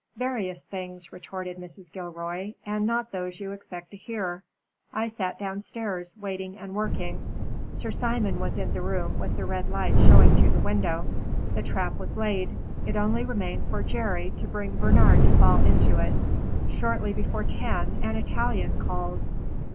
"Various things," retorted Mrs. Gilroy, "and not those you expect to hear. I sat downstairs, waiting and working. Sir Simon was in the room with the red light showing through the window. The trap was laid. It only remained for Jerry to bring Bernard to fall into it. Shortly before ten an Italian called."